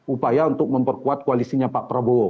upaya untuk memperkuat koalisinya pak prabowo